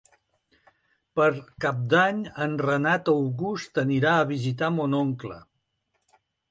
Per Cap d'Any en Renat August anirà a visitar mon oncle.